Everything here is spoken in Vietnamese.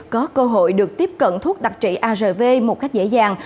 có cơ hội được tiếp cận thuốc đặc trị arv một cách dễ dàng